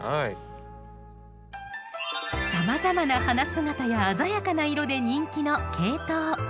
さまざまな花姿や鮮やかな色で人気のケイトウ。